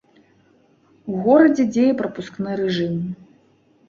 У горадзе дзее прапускны рэжым.